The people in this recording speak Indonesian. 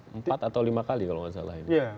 empat atau lima kali kalau tidak salah ini ya